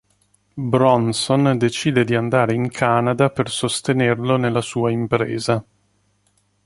Bronson decide di andare in Canada per sostenerlo nella sua impresa.